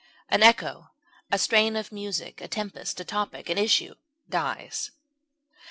An echo, a strain of music, a tempest, a topic, an issue, dies.